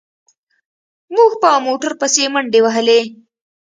موږ په موټر پسې منډې وهلې.